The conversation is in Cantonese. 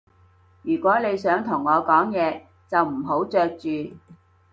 如果你想同我講嘢，就唔好嚼住